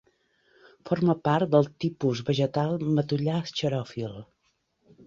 Forma part del tipus vegetal matollar xeròfil.